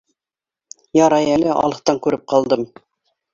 Ярай әле алыҫтан күреп ҡалдым.